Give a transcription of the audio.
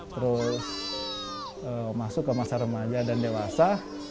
terus masuk ke masa remaja dan dewasa